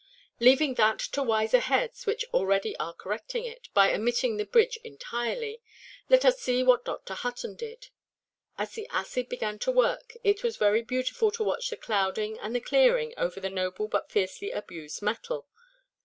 Leaving that to wiser heads, which already are correcting it (by omitting the bridge entirely), let us see what Dr. Hutton did. As the acid began to work, it was very beautiful to watch the clouding and the clearing over the noble but fiercely–abused metal.